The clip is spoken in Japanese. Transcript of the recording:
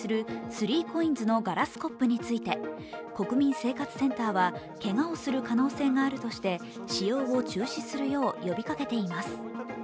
３ＣＯＩＮＳのガラスコップについて国民生活センターはけがをする可能性があるとして使用を中止するよう呼びかけています。